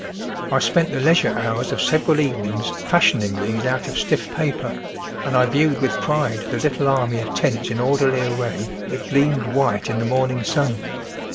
I spent the leisure hours of several evenings fashioning these out of stiff paper, and I viewed with pride the little army of tents in orderty array that gleamed white in the morning sun.